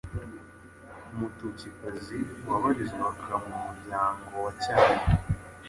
Umututsikazi wabarizwaga mu muryango wa Cyami.